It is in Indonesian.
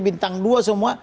bintang dua semua